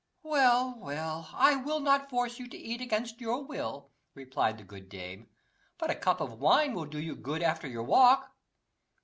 "Well, well, I will not force you to eat against your will," replied the good dame "But a cup of wine will do you good after your walk."